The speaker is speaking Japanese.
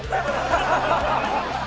ハハハハ！